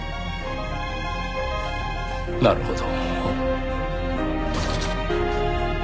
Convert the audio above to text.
なるほど。